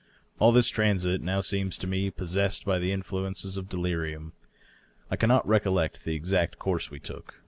All this transit now seems to me possessed by the influences of de lirium. I cannot recollect the exact course we took.